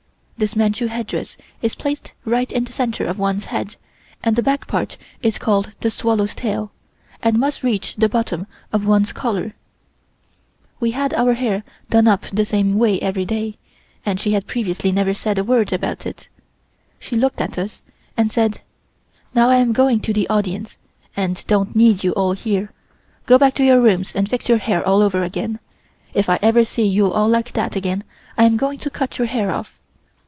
(This Manchu headdress is placed right in the center of one's head and the back part is called the swallow's tail, and must reach the bottom part of one's collar.) We had our hair done up the same way every day, and she had previously never said a word about it. She looked at us, and said: "Now I am going to the audience, and don't need you all here. Go back to your rooms and fix your hair all over again. If I ever see you all like that again I am going to cut your hair off."